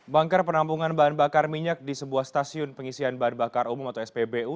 banker penampungan bahan bakar minyak di sebuah stasiun pengisian bahan bakar umum atau spbu